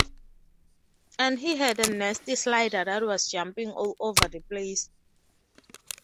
And he had a nasty slider that was jumping all over the place.